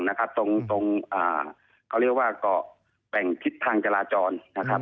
โดยให้ตรงเกาะแปรงทิศทางแตราจร